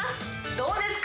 どうですか？